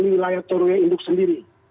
di wilayah toruya induk sendiri